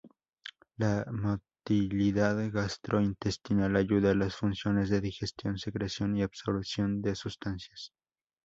La motilidad gastrointestinal ayuda a las funciones de digestión, secreción y absorción de sustancias.